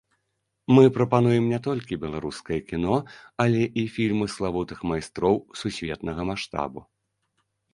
Мы прапануем не толькі беларускае кіно, але і фільмы славутых майстроў сусветнага маштабу.